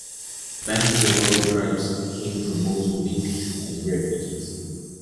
Bantus of other tribes came from Mozambique as refugees.